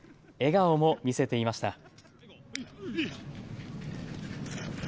笑顔も見せていました。